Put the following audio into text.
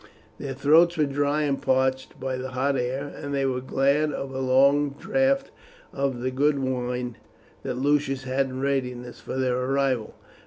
Their throats were dry and parched by the hot air, and they were glad of a long draught of the good wine that Lucius had in readiness for their arrival.